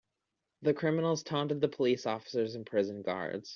The criminals taunted the police officers and prison guards.